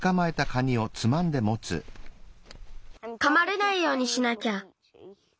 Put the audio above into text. かまれないようにしなきゃ。